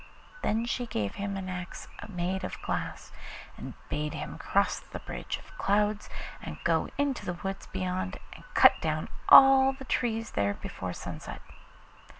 Then she gave him an axe made of glass, and bade him cross the bridge of clouds and go into the wood beyond and cut down all the trees there before sunset.